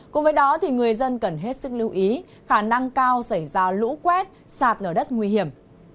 cùng với đó thì người dân cần hết sức lưu ý khả năng cao xảy ra lũ quét sạt lở đất nguy hiểm